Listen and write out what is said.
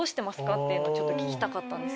っていうのをちょっと聞きたかったんです。